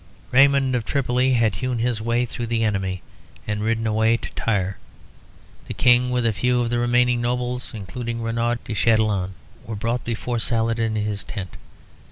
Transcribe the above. Raymond of Tripoli had hewn his way through the enemy and ridden away to Tyre. The king, with a few of the remaining nobles, including Renaud de Chatillon, were brought before Saladin in his tent.